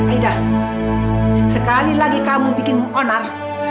aida sekali lagi kamu bikinmu onar